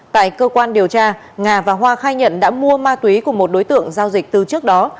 tại cơ quan điều tra nga và hoa khai nhận đã mua ma túy của một đối tượng giao dịch từ trước đó